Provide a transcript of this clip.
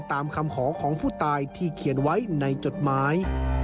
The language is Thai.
ตามคำขอของผู้ตายที่เขียนไว้ในจดหมาย